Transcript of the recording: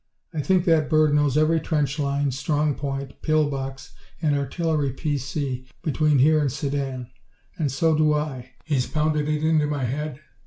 I think that bird knows every trench line, strong point, pill box and artillery P.C., between here and Sedan. And so do I! He's pounded it into my head."